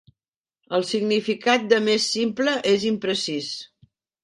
El significat de "més simple" es imprecís.